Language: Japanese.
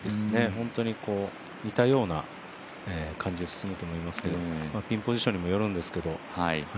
本当に似たような感じで進むと思いますけどピンポジションにもよるんですけど。